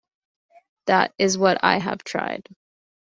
That is what I have tried.